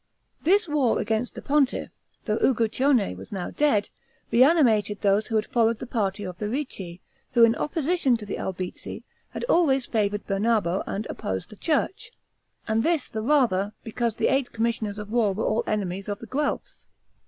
This war against the pontiff, although Uguccione was now dead, reanimated those who had followed the party of the Ricci, who, in opposition to the Albizzi, had always favored Bernabo and opposed the church, and this, the rather, because the eight commissioners of war were all enemies of the Guelphs.